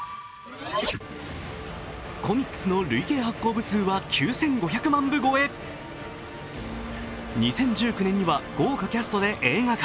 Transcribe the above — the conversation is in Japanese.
コミックスの累計発行部数は９５００万部超え、２０１９年には豪華キャストで映画化。